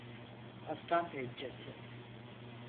Aslanpençesi